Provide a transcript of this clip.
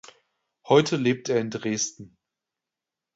Heute lebt er in Dresden.